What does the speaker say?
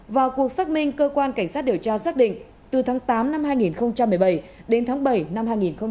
vào cuộc xác minh cơ quan cảnh sát điều tra xác định từ tháng tám năm hai nghìn một mươi bảy đến tháng bảy năm hai nghìn một mươi tám